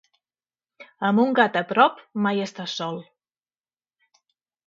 Amb un gat a prop, mai estàs sol.